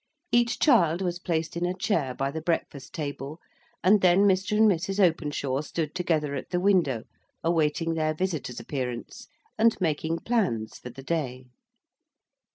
Each child was placed in a chair by the breakfast table, and then Mr. and Mrs. Openshaw stood together at the window, awaiting their visitors' appearance and making plans for the day.